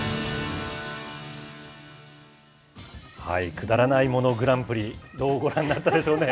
くだらないものグランプリ、どうご覧になったでしょうね。